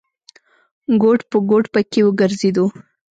ګوټ په ګوټ پکې وګرځېدو.